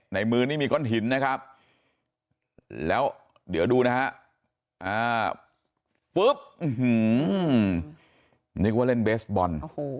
ในมือนี้มีก้อนหินนะครับแล้วเดี๋ยวดูนะฮะปุ๊บนึกว่าเล่นเบสบอล